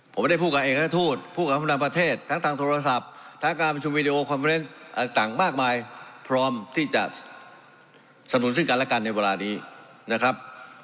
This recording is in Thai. ผมไม่ได้พูดกับเอกราชทูตพูดกับผู้นำประเทศทั้งทางโทรศัพท์ทั้งการประชุมวิดีโอคอมเนส์ต่างมากมายพร้อมที่จะสนับสนุนซึ่งกันและกันในเวลานี้นะครับ